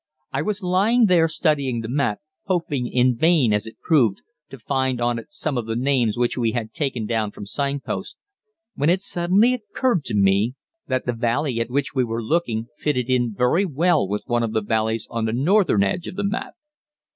I was lying there studying the map, hoping, in vain as it proved, to find on it some of the names which we had taken down from sign posts, when it suddenly occurred to me that the valley at which we were looking fitted in very well with one of the valleys on the northern edge of the map.